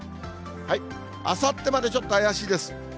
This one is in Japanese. あさってまでちょっと怪しいです。